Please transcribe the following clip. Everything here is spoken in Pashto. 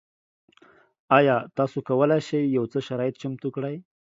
ایا تاسو کولی شئ یو څه شرایط چمتو کړئ؟